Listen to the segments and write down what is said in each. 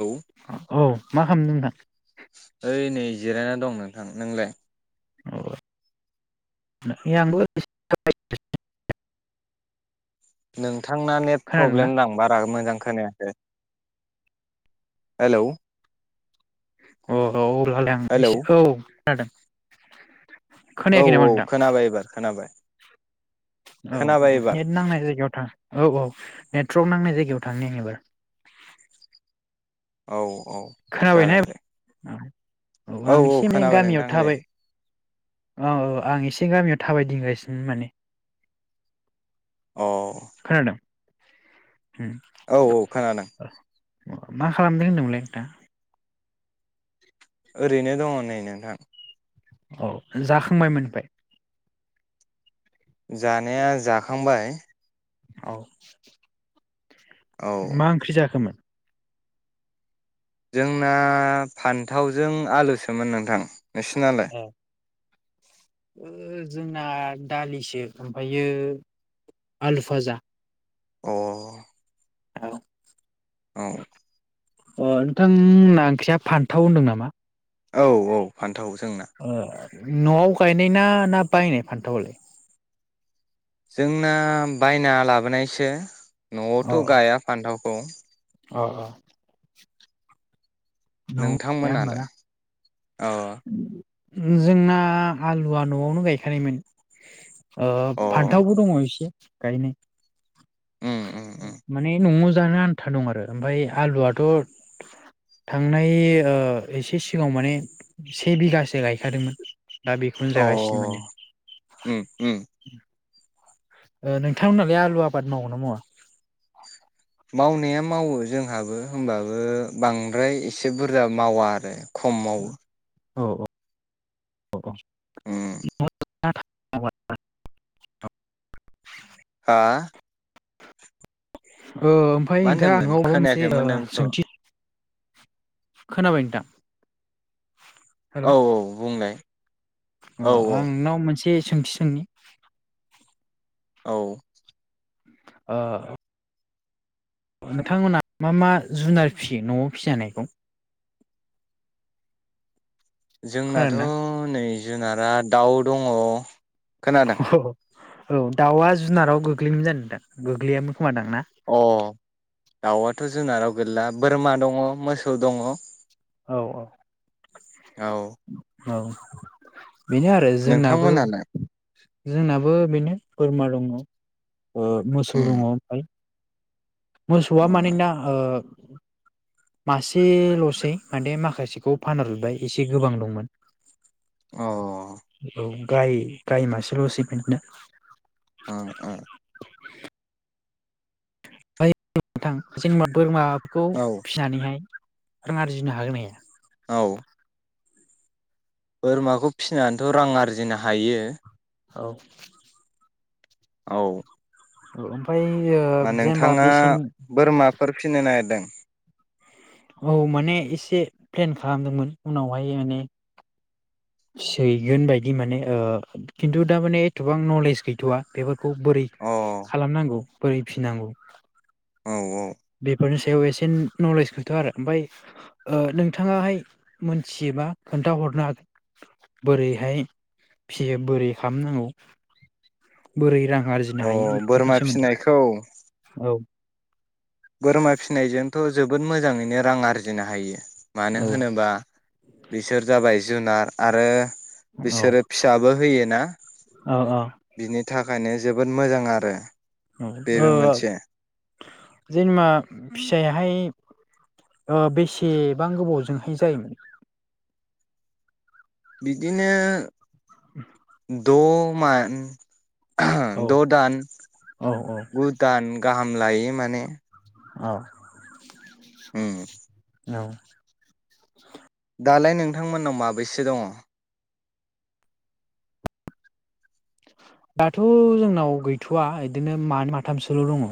औ औ। मा खालामदों नोंथां? ओइ नै जिरायना दं नोंथां नोंलाय। औ। नों। नोंथांना नेट खोनादोंना प्रब्लेम दा बारा मोजां खोनाखैय। खोनायाखै हेलौ। अ‌ औ । [unintelligible] हेलौ खोनादों। औ खोनायाखै नामा औ नोंथां खोनाबाय एबार खोनाबाय। औ खोनाबाय एबार नेट नांनाय जायगायाव थां औ औ नेटवर्क नांनाय जायगायाव थांनि आं एबार। औ। औ खोनाबायना जागोन दे। औ औ आं एसे एनै खोनाबाय गामियाव नोंथां दे थाबाय औ औ आं एसे गामियाव थाबायदिंगासिनो माने। औ। औ खोनादों होम मा खालामदों होनदोंमोनलाय नोंथां? ओरैनो दङ नै नोंथां। औ जाखांबायमोन ओमफ्राय? जानाया जाखांबाय औ औ मा ओंख्रि जाखोमोन? जोंना फान्थावजों आलुसोमोन नोंथां नोंसिनालाय? ओ जोंना दालिसो ओमफ्रायो आलु फाजा अ [inaudible] औ अ नोंथां मोनना ओंख्रिया फान्थाव होनदों नामा? औ औ फान थाव जोंना ओ न'आव गायनाय ना ना बायनाय फानथावालाय? जोंना बायना लाबोनायसो न'आवथ' गाया फान्थाव खौ औ औ गाया होमबा नोंथांमोनालाय ना? अ जोंना आलुआ न'आवनो गायखानायमोन। ओ‌ अ फान्थावबो दङ एसे उम उम उम [unintelligible] माने न'आव जानो आन्था दं आरो ओमफ्राय आलुआथ' थांनाय ओ एसे सिगाङाव माने से बिगासो गायखादोंमोन। दा बेखौनो अ जागासिनो माने। उम उम ओ नोंथांमोनालाय आलु आबाद मावोना मावा? मावनाया मावो जोंहाबो होमबाबो बांद्राय एसे बुरजा मावा आरो। खम मावो औ औ औ उम औ [inaudible] [inaudible] हा? ओ ओमफ्राय मा [unintelligible] होनदोंमोन मोनसे खोनायाखैमोन नोंखौ सोंथि खोनाबाय नोंथां? हेल' औ औ बुंलाय अ औ आं औ नोंनाव मोनसे सोंथि सोंनि औ ओ नोंथांमोनहा मा मा जुनार फिसियो न'आव फिसिजानायखौ? जोंनाथ' खोनादोंना? नै जुनारा दाउ दङ खोनादों औ औ दाउआ जुनाराव गोग्लैयोमोन जानो दा गोग्लैयामोन खोमादां ना? अ दाउवा थ' जुनाराव गोलैला बोरमा दङ मोसौ दङ औ औ औ औ बेनो आरो जोंनाबो नोंथांमोनालाय जोंनाबो बेनो बोरमा दङ ओ मोसौ दङ उम ओमफ्राय मोसौआ अ मानैना ओ मासेल'सै माने माखासेखौ फानहरजोबबाय एसे गोबां दंमोन अ औ गाय गाय मासेल'सै बिदिनो ओ ओ [inaudible] बोरमा बेखौ औ फिनानैहाय रां आरजिनो हागोन नाया? औ। बोरमाखौ फिसिनानैथ' रां आरजिनो हायो। औ। औ। औ। ओमफ्राय ओ मा जेनेबा नोंथाङा बेसेन बोरमाफोर फिनो नागिरदों? [inaudible] औ माने एसे प्लेन खालामदोंमोन उनावहाय माने फिहैगोन बायदि माने ओ खिन्थु दामाने एथबां नलेज गैथ'वा बेफोर खौ बोरै अ खालामनांगौ। बोरैफिनांगौ औ औ। बेफोरनि सायाव एसे नलेजखौथ' आरो ओमफ्राय ओ नोंथाङाहाय मोनथियोबा खोन्थाहरनो हागोन बोरैहाय फियो बोरै खालामनांगौ बोरै रां आरजिनो अ हायो ओरैबादि बोरमा सोमोन्दै फिसिनायखौ औ। बोरमा फिनायजों ओ जोबोद मोजाङैनो रां आरजिनो हायो। मानो औ होनोबा बिसोर जाबाय जुनार आरो औ बिसोरो फिसाबो होयोना औ बिनि थाखाय खायनो जोबोद मोजां आरो। ओ बेबो मोनसे जेनेबा फिसायाहाय ओ बेसेबां गोबावजोंहाय जायो? बिदिनो [inaudible] द' मान औ द' दान औ औ गु दान गाहाम लायो माने। औ हुम [inaudible] दालाय नोंथांमोननाव माबैसो दङ? दाथ' जोंनाव गैथ'वा बिदिनो मानै माथामसोल' दङ।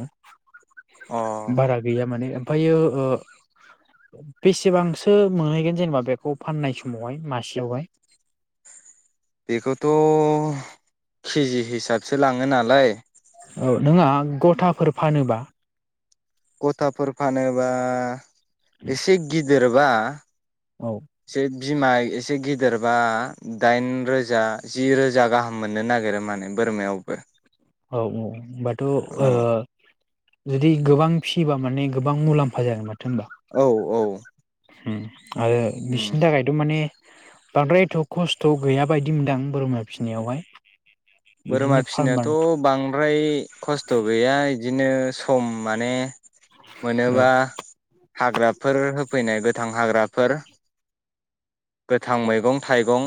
अ बारा गैया माने। ओमफ्रायो ओ बेसेबांसो मोनहैगोन जेनेबा बेखौ फाननाय समावहाय मासेयावहाय? बेखौथ' केजि हिसाबसो लाङो नालाय औ नोंआ गथाफोर फानोबा? गथाफोर फानोबा एसे गि दिरबा औ बिमा एसे गिदिरबा दाइन रोजा जि रोजा गाहाम मोननो नागिरो माने बोरमायावबो। औ औ होनबाथ' ओ औ जुदि गोबां फिसियोबा माने गोबां मुलाम्फा जागोन माथो। औ औ हुम आरो उम बिसिनि थाखायथ' माने बांद्राय एथ' खस्थ' गैय बायदि मोनदां बोरमा फिसिनायावहाय। बोरमा बिदिनो फार्म फिसिनायाथ' बानो बां ओमफ्राय खस्थ' गैया बिदिनो सम माने मोनोबा औ हाग्राफोर होफैनाय गोथां हाग्राफोर गोथां मैगं थाइगं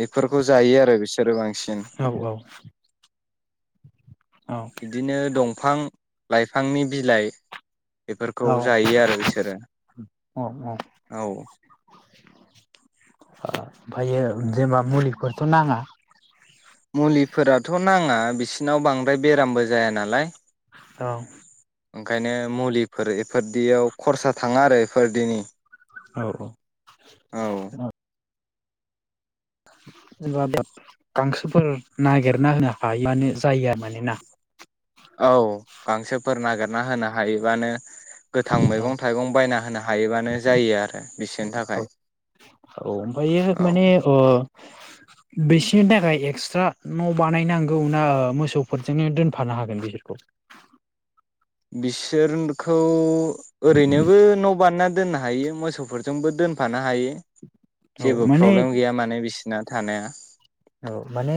बेफोरखौ जायो आरो बिसोरो बांसिन औ औ औ बिदिनो दंफां लाइफांनि बिलाइ बेफोरखौ औ जायो आरो बिसोरो औ औ ओमफ्रायो जेनेबा मुलिफोरखौथ' नाङा मुलिफोराथ' नाङा बिसिनाव बांद्राय बेरामबो जाया नालाय औ ओंखायनो मुलिफोर इफोरदियाव खरसा थाङा आरो इफोरदिनि औ औ औ एबा गांसोफोर नागिरना होनो हायोबानो जायो मानि ना औ गांसोफोर नागिरना होनो हायोबानो गोथां औ मैगं थाइगं बायना होनो हायोबानो जायो आरो बिसोरनि औ थाखाय औ। बिसिनि थाखाय एक्सट्रा न' बानायनांगौ ना मोसौफोरजोंनो दोनफानो हागोन बिसोरखौ? बिसोरखौ ओरैनोबो न' बानायना दोननो हायो मोसौफोरजोंबो दोनफानो हायो। औ जेबो माने प्रब्लेम गैया माने बिसि ना थानाया। औ माने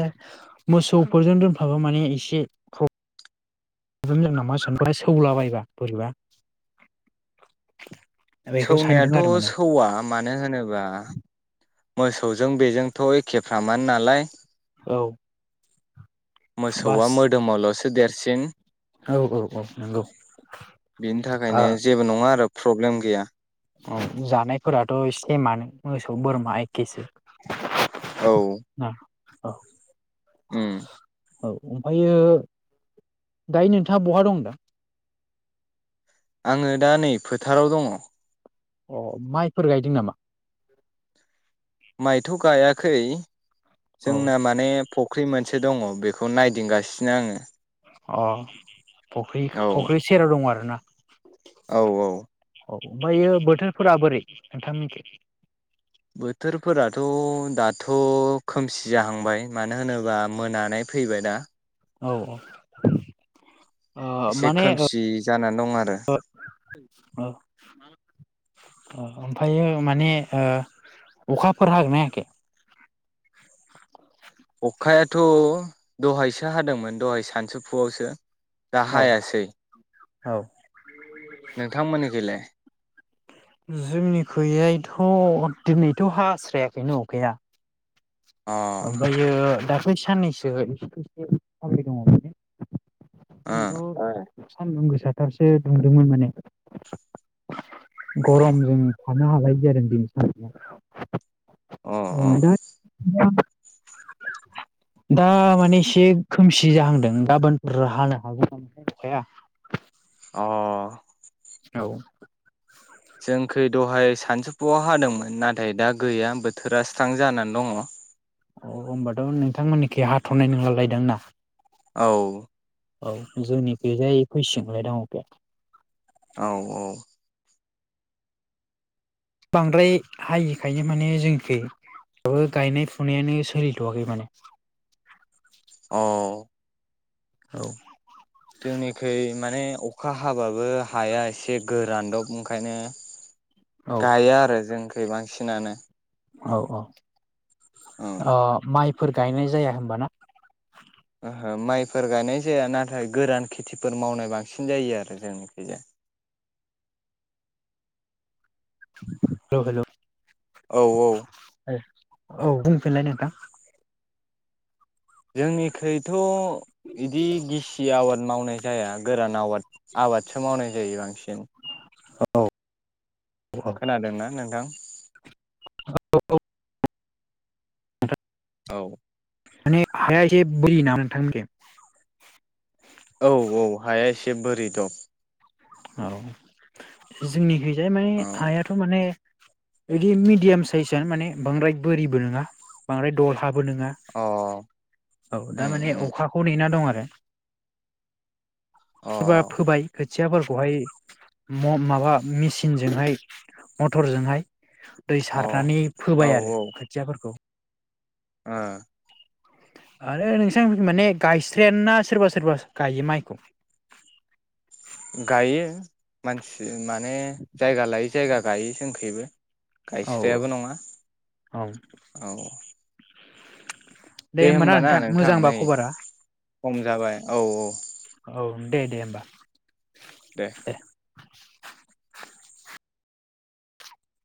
मोसौफोरजों दोनफाबा माने एसे फ्रब्लेम जागोन नामा [inaudible] सौलाबायबा बोरैबा। बेखौ सानदों सौनायाथ' आरो माने सौवा मानो होनोबा मोसौजों बेजोंथ' एखेफ्रामानो नालाय। औ। मोसौआ बास मोदोमावल' सो देरसिन औ औ औ नोंगौ। बिनि थाखायनो जेबो नङा आरो प्रब्लेम गैया औ जानायफोराथ' एसिनि माहोनो मोसौ बोरमा एखेसो। औ ना औ उम औ ओमफ्रायो दायो नोंथाङा बहा दं दा। आङो दा नै फोथाराव दङ। अ माइफोर गायदों नामा? माइथ' गायाखै? औ जोंना माने फुख्रि मोनसे दङ बेखौ नायदिंगासिनो आङो अ फख्रि औ फख्रि सेराव दङ आरो ना। औ औ औ ओमफ्रायो बोथोरफोरा बोरै नोंथांनिखो। बोथोरफोराथ' दाथ' खोमसि जाहांबाय। मानो होनोबा मोनानाय फैबाय ना? औ औ ओ एसे माने औ खोमसि जानानै दं आरो औ ओमफ्रायो माने ओ अखाफोर हागोन ना हायाखै? अखायाथ' दहायसो हादोंमोन दहाय सानसौफुआवसो। दा औ हायासै औ नोंथांमोननि गैलाय? जोंनिखययथ' दिनैथ' हास्रायाखैनो अखाया अ ओमफ्राय दा बै साननैसो एसेसे खामि दङ माने ओ अ [unintelligible] सानदुं गोसााथारसो दुंदोंमोन माने गरम जोङो थानो हालायै जादों दिनै सानदुंया अ अ [unintelligible] दा माने एसे खोमसि जाहांदों गाबोनफोर हानो हागौ नाम अखाया । अ औ जोंखै दहाय सानजौफुआव हादोंमोन नाथाय दा गैया बोथोरा स्रां जानानै दङ । औ होनबाथ नोंथांमोननिखि हाथनाय नंलालायदों ना? औ औ जोंनि किजाय फैसिगोंलाय दा अखायाव । औ औ बांद्राय हायिखायनो माने जोंखाबो गायनाय फुनायानो सोलिथवाखै माने । औ औ जोंनिखै माने अखा हाबाबो हाया एसे गोरानदब ओंखायनो औ गाया आरो जोंख बांसिन नांनो । औ औ औ ओ माइ फोर गायनाय जाया हबाना? ओहो माइफोर गायनाय जाया नाथाय गोरान खेथिफोर मावनाय बांसिन जायो आरो जोंनिखैजाय । हेलौ हेलौ औ औ औ बुंफिनलाय नोंथां जोंनिख्रुइथ बिदि गिसि आबाद मावनाय जाया गोरान आवाद आबादसो मावनाय जायो बांसिन । औ खोनादोंना नोंथां? औ औ माने हाया ऐसे बोरिदब ना नोंथां मोननिथिं? औ औ हाया एसे बोरि दब। औ जोंनि खैजाय माने औ हायाथ माने बिदि मिडियाम साइजआनो माने बांद्राय बोरिबो नङा बांद्राय दल हाबो नङा अ औ दा उम माने उम अखाखौ नेना दं आरो दे अ सोरबा फोबाय खोथियाफोरखौहाय म-माबा मेचिनजोंहाय मटरजोंहाय दै औ सारनानै औ फोबाय आरो खोथियाफोरखौ । ओ आरो नोंसां माने गायस्रायाना सोरबा सोरबा गायो माइखौ । गायो मानसि माने जायगा लायै जायगा गायो जोंखैबो । औ गायस्रायाबो नङा औ औ दे होमब ना नोंथां नै खम जाबाय औ औ औ दे दे होमबा दे। [inaudible]